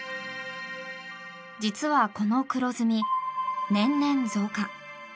実はこの黒ずみ、年々増加。